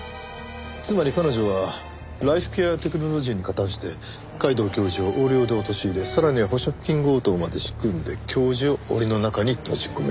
つまり彼女はライフケアテクノロジーに加担して皆藤教授を横領で陥れさらには保釈金強盗まで仕組んで教授を檻の中に閉じ込めた。